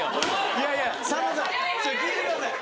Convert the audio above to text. いやいやさんまさん聞いてください。